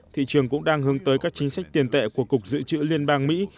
thị trường cũng đang hướng tới các chính sách tiền tệ của cục dự trữ liên bang mỹ